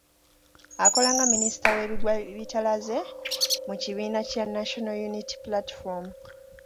Akola nga Minisita w'ebigwabitalaze mu kibiina kya National Unity Platform.